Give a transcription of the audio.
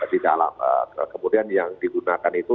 di dalam kemudian yang digunakan itu